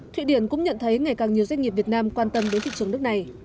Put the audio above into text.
thụy điển cũng nhận thấy ngày càng nhiều doanh nghiệp việt nam quan tâm đến thị trường nước này